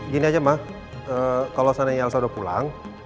gini aja ma kalau seandainya elsa udah pulang